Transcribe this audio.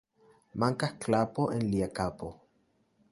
Mankas klapo en lia kapo.